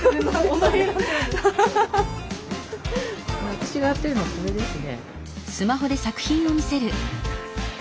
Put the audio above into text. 私がやってるのはこれですね。